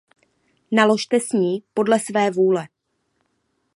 Naložte s ní podle své vůle.